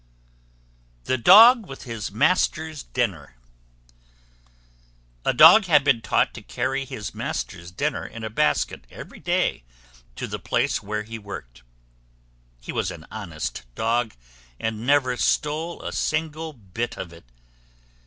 THE DOG WITH HIS MASTER'S DINNER. A Dog had been taught to carry his Master's dinner in a basket, every day, to the place where he worked. He was an honest dog, and never stole a single bit of it.